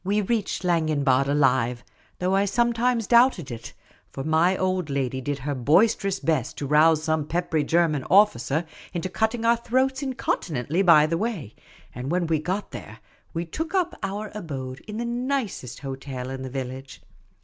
We reached Schlangenbad alive, though I sometimes doubted it, for my old lady did her boisterous best to rouse some peppery German officer into cutting our throats incon tinently by the way ; and when we got there, we took up our abode in the nicest hotel in the village.